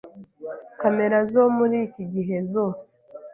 Kamera zo muri iki gihe zose